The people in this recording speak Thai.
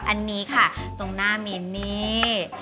อันนี้ค่ะตรงหน้ามินนี่